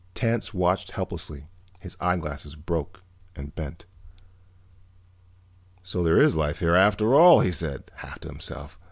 Tance watched helplessly, his eyeglasses broken and bent. "So there is life here, after all," he said, half to himself.